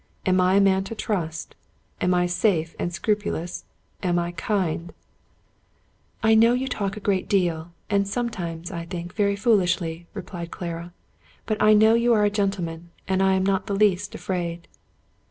Am I a man to trust? Am I safe and scrupulous ? Am I kind ?"" I know you talk a great deal, and sometimes, I think, very foolishly," replied Clara, " but I know you are a gen tleman, and I am not the least afraid."